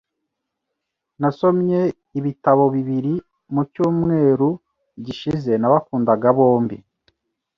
Nasomye ibitabo bibiri mu cyumweru gishize. Nabakundaga bombi.